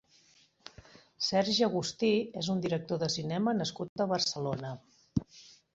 Sergi Agustí és un director de cinema nascut a Barcelona.